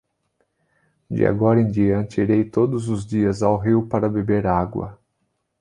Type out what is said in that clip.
De agora em diante irei todos os dias ao rio para beber água.